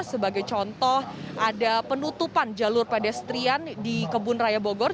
sebagai contoh ada penutupan jalur pedestrian di kebun raya bogor